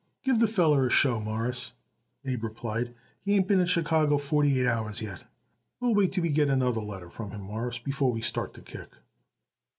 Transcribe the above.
"Give the feller a show, Mawruss," Abe replied. "He ain't been in Chicago forty eight hours yet. We'll wait till we get it another letter from him, Mawruss, before we start to kick."